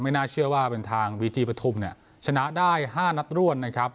น่าเชื่อว่าเป็นทางวีจีปฐุมเนี่ยชนะได้๕นัดร่วนนะครับ